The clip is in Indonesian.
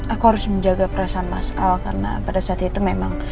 aku harus menjaga perasaan mas al karena pada saat itu memang